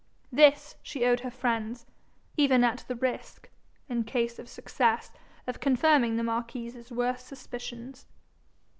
This she owed her friends, even at the risk, in case of success, of confirming the marquis's worst suspicions.